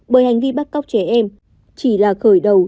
bởi hành vi bắt cóc trẻ em chỉ là khởi đầu